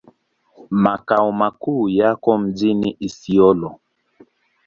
Makao makuu yako mjini Isiolo.